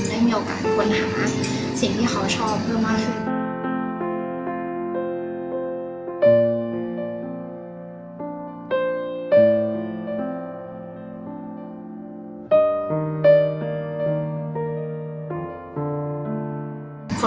ได้มีโอกาสควรหาสิ่งที่เขาชอบเพิ่มมากขึ้น